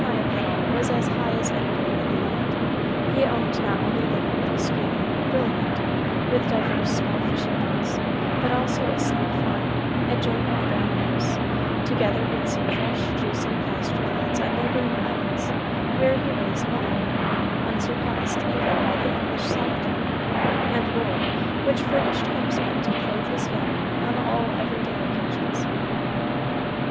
Zephaniah Pennel was as high as anybody in the land. He owned not only the neat little schooner, "Brilliant," with divers small fishing boats, but also a snug farm, adjoining the brown house, together with some fresh, juicy pasture lots on neighboring islands, where he raised mutton, unsurpassed even by the English South down, and wool, which furnished homespun to clothe his family on all every day occasions.